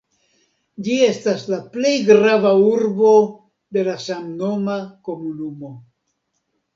Ĝi estas la plej grava urbo de la samnoma komunumo.